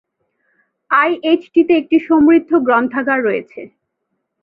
I, H, T তে একটি সমৃদ্ধ গ্রন্থাগার রয়েছে।